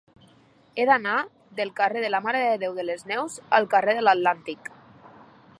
He d'anar del carrer de la Mare de Déu de les Neus al carrer de l'Atlàntic.